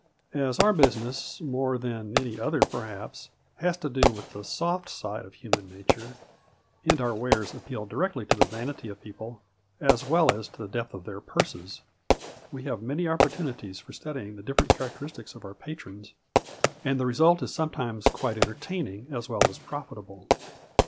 As our business, more than any other per haps, has to do with the soft side of human nature, and our wares appeal directly to the vanity of people as well as to the depth of their purses, we have many opportunities for study ing the different characteristics of our patrons, and the result is sometimes quite entertaining as well as profitable.